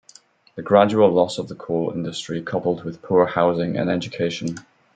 The gradual loss of the coal industry coupled with poor housing and education.